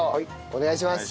お願いします。